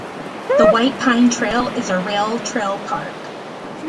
The White Pine Trail is a rail trail park.